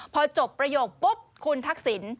พอจบประโยคปุ๊บคุณทักษิณ